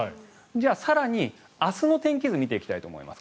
じゃあ更に明日の天気図を見ていきたいと思います。